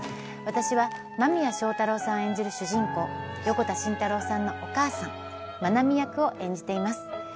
私は間宮祥太朗さん演じる主人公横田慎太郎さんのお母さん、まなみ役を演じています。